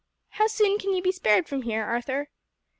How soon can you be spared from here, Arthur?"